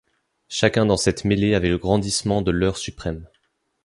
Chacun dans cette mêlée avait le grandissement de l’heure suprême.